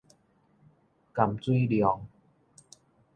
含水量